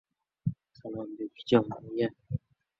Bir ta’tilda ota-onasi Paxlavon Dahoni uylantirmoqchi bo‘ldi.